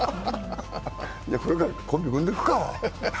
これからコンビ組んでくか？